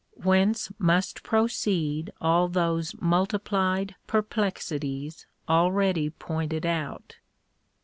Whence must proceed all those multiplied perplexities already pointed out.